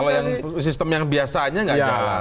kalau yang sistem yang biasanya nggak jalan